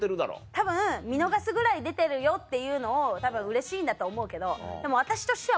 たぶん見逃すぐらい出てるよっていうのをうれしいんだと思うけどでも私としては。